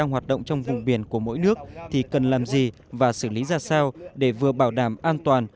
hoạt động trong vùng biển của mỗi nước thì cần làm gì và xử lý ra sao để vừa bảo đảm an toàn